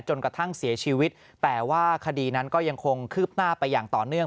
จนกระทั่งเสียชีวิตแต่ว่าคดีนั้นก็ยังคงคืบหน้าไปอย่างต่อเนื่อง